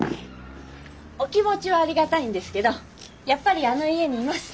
お気持ちはありがたいんですけどやっぱりあの家にいます。